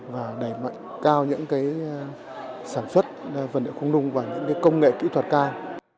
và đẩy mạnh cao những sản xuất vật liệu không nung và những công nghệ kỹ thuật cao